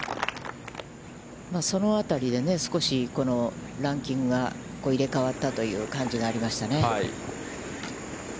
そのあたりで、少しこのランキングが入れかわったという感じがありましたね。